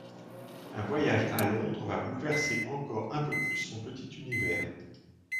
Un voyage à Londres va bouleverser encore un peu plus son petit univers.